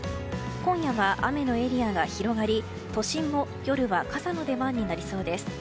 今夜は雨のエリアが広がり都心も夜は傘の出番になりそうです。